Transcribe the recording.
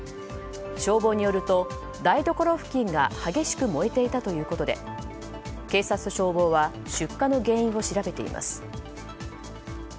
消防によると台所付近が激しく燃えていたということで警察と消防は出火の原因を調べています。